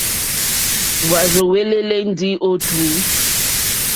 Hwá rzúwɛ̀lɛ̀lɛ̀ ndí ó tǔ.